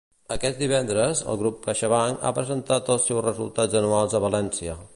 Aquest divendres, el grup CaixaBank ha presentat els seus resultats anuals a València.